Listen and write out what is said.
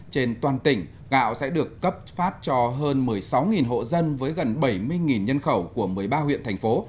trên toàn tỉnh gạo sẽ được cấp phát cho hơn một mươi sáu hộ dân với gần bảy mươi nhân khẩu của một mươi ba huyện thành phố